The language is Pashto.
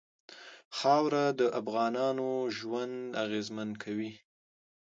خاوره د افغانانو ژوند اغېزمن کوي.